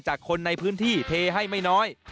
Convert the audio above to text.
คนในพื้นที่เทให้ไม่น้อย